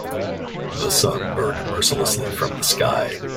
The sun burned mercilessly from the sky.